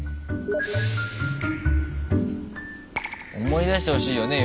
思い出してほしいよね。